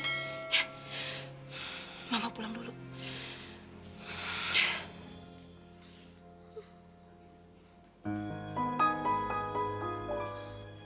mama pulang dulu